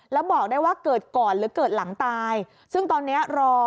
แล้วบอกได้ว่าเกิดก่อนหรือเกิดหลังตายซึ่งตอนนี้รอ